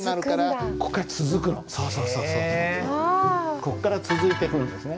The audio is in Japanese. こっから続いてくんですね。